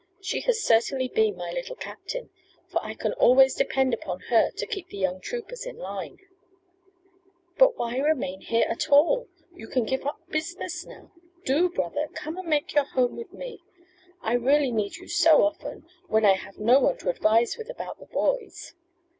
She has certainly been my Little Captain, for I can always depend upon her to keep the young troopers in line " "But why remain here at all? You can give up business now. Do, brother, come and make your home with me. I really need you so often, when I have no one to advise with about the boys.